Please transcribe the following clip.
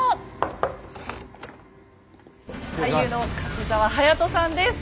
俳優の柿澤勇人さんです！